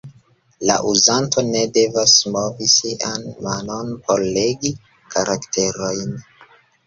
La uzanto ne devas movi sian manon por legi karakterojn.